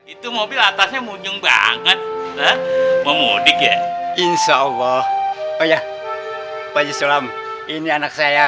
itu mobil atasnya munjung banget memudik ya insya allah oh ya pak jisulam ini anak saya